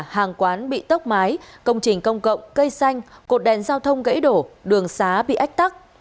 hàng quán bị tốc mái công trình công cộng cây xanh cột đèn giao thông gãy đổ đường xá bị ách tắc